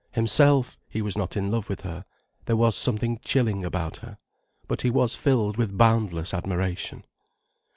Himself, he was not in love with her, there was something chilling about her. But he was filled with boundless admiration.